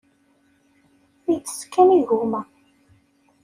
Ittett kan igumma.